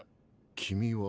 君は。